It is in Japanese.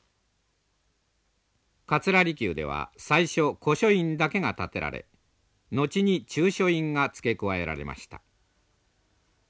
桂離宮では最初古書院だけが建てられ後に中書院がつけ加えられました。